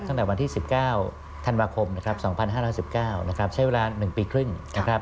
ตั้งแต่วันที่๑๙ธันวาคมนะครับ๒๕๑๙นะครับใช้เวลา๑ปีครึ่งนะครับ